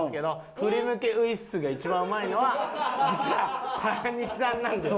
振り向きウイッスが一番うまいのは実は原西さんなんです。